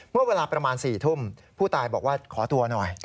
เมื่อเวลาประมาณ๔ทุ่มผู้ตายบอกว่าขอตัวหน่อย